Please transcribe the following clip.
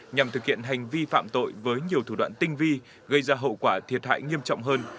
nhằm thực hiện hành vi phạm tội với nhiều thủ đoạn tinh vi gây ra hậu quả thiệt hại nghiêm trọng hơn